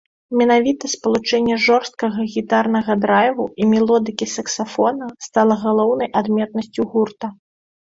Менавіта спалучэнне жорсткага гітарнага драйву і мелодыкі саксафона стала галоўнай адметнасцю гурта.